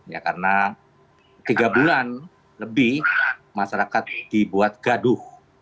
ya karena tiga bulan lebih masyarakat dibuat gaduh